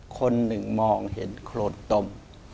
คนหนึ่งมองเห็นโครนตม